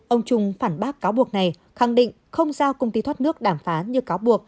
ông trung phản bác cáo buộc này khẳng định không giao công ty thoát nước đàm phán như cáo buộc